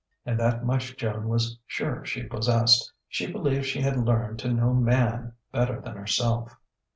And that much Joan was sure she possessed: she believed she had learned to know Man better than herself.